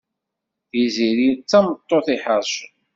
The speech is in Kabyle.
Tiziri d tameṭṭut iḥercen.